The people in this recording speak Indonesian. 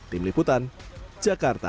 tim liputan jakarta